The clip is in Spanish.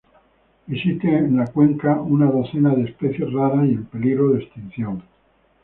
Existen en la cuenca una docena de especies raras y en peligro de extinción.